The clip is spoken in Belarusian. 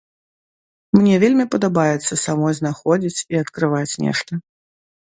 Мне вельмі падабаецца самой знаходзіць і адкрываць нешта.